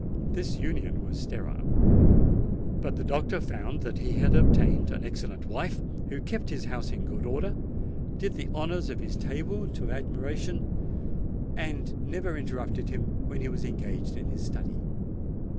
This union was sterile; but the doctor found that he had obtained an excellent wife, who kept his house in good order—did the honours of his table to admiration—and never interrupted him when he was engaged in his study.